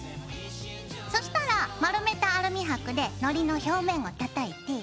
そしたら丸めたアルミはくでのりの表側をたたいて。